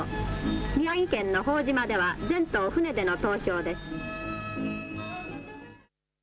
宮城県の朴島では全島、船での投票です。